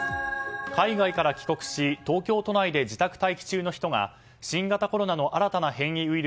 海外から帰国し、東京都内で自宅待機中の人が新型コロナの新たな変異ウイル